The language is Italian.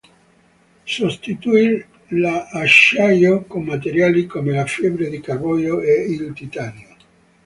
Sostituì l’acciaio con materiali come le fibre di carbonio ed il titanio.